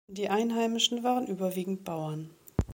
Die Einheimischen waren überwiegend Bauern.